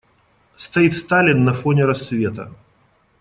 Стоит Сталин на фоне рассвета.